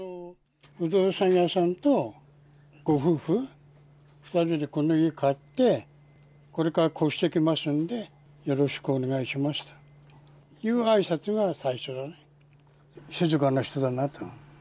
不動産屋さんとご夫婦２人でこの家買って、これから越してきますんで、よろしくお願いしますというあいさつが最初だね。